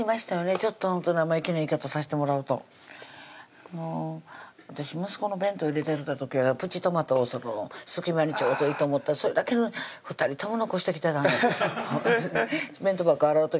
ちょっと生意気な言い方さしてもらうと私息子の弁当入れてた時はプチトマトを隙間にちょうどいいと思ってそれだけ２人とも残してきてたんで弁当箱洗う時